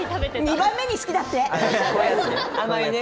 ２番目に好きだって。